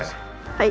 はい。